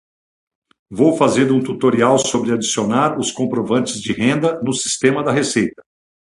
Vou fazer um tutorial sobre adicionar os comprovantes de renda no sistema da Receita